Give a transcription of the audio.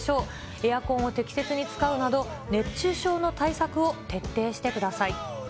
エアコンを適切に使うなど、熱中症の対策を徹底してください。